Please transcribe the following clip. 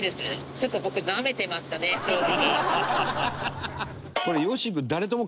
ちょっと僕なめてましたね正直。